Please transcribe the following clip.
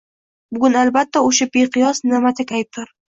Bunga, albatta, o`sha beqiyos Na`matak aybdor